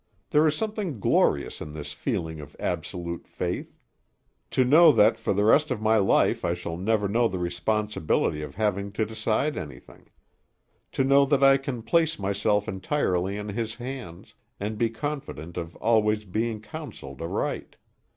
There is something glorious in this feeling of absolute faith. To know that for the rest of my life I shall never know the responsibility of having to decide anything. To know that I can place myself entirely in his hands, and be confident of always being counselled aright.